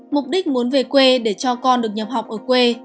mục đích muốn về quê để cho con được nhập học ở quê